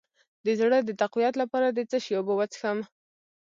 د زړه د تقویت لپاره د څه شي اوبه وڅښم؟